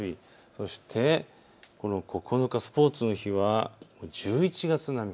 そして９日、スポーツの日は１１月並み。